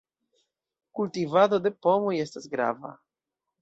Kultivado de pomoj estas grava.